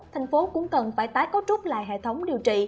thành phố cũng cần phải tái cấu trúc lại hệ thống điều trị